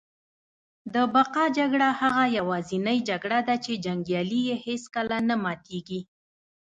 د بقا جګړه هغه یوازینۍ جګړه ده چي جنګیالي یې هیڅکله نه ماتیږي